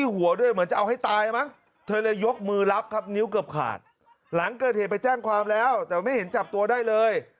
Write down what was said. หัวด้วยเหมือนจะเอาให้ตายมั้งเธอเลยยกมือรับครับนิ้วเกือบขาดหลังเกิดเหตุไปแจ้งความแล้วแต่ไม่เห็นจับตัวได้เลย